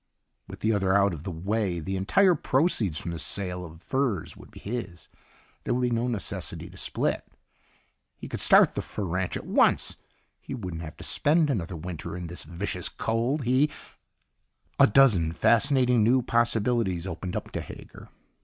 With the other out of the way, the entire proceeds from the sale of furs would be his. There would be no necessity to split. He could start the fur ranch at once. He wouldn't have to spend another winter in this vicious cold. He A dozen fascinating new possibilities opened up to Hager.